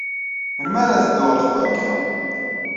Melmi ara teddu ɣer tbanka?